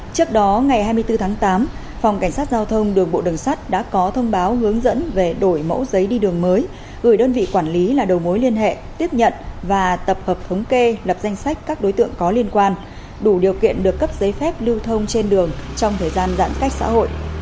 trước đó ngày hai mươi bốn tháng tám phòng cảnh sát giao thông đường bộ đường sắt đã có thông báo hướng dẫn về đổi mẫu giấy đi đường mới gửi đơn vị quản lý là đầu mối liên hệ tiếp nhận và tập hợp thống kê lập danh sách các đối tượng có liên quan đủ điều kiện được cấp giấy phép lưu thông trên đường trong thời gian giãn cách xã hội